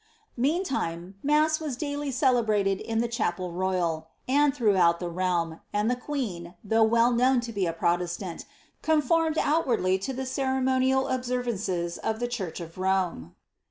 Meantime, mass was daily celebrated in the chapel royal, and througli out the realm */ and the queen, though well known to be a Protesianti conformed outwardly to the ceremonial observances of the church of Rome.